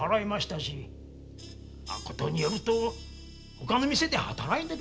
ことによるとほかの店で働いているのかも。